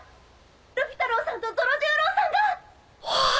ルフィ太郎さんとゾロ十郎さんが！はっ！